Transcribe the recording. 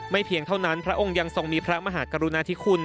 เพียงเท่านั้นพระองค์ยังทรงมีพระมหากรุณาธิคุณ